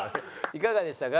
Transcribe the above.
いかがでしたか？